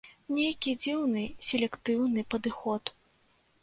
Нейкі дзіўны селектыўны падыход.